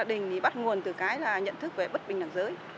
thì cái bạo lực gia đình bắt nguồn từ cái là nhận thức về bất bình đảng giới